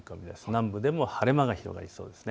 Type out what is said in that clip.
南部でも晴れ間が広がりそうです。